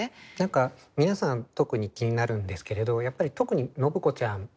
皆さん特に気になるんですけれどやっぱり特に信子ちゃんがですね